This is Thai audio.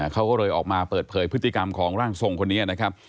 เขาก็เลยออกมาเปิดเผยพฤติกรรมของร่างทรงคนนี้นะครับ